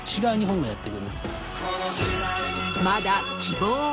まだ。